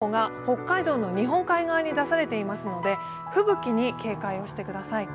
現在、暴風雪警報が北海道の日本海側に出されていますので、吹雪に警戒をしてください。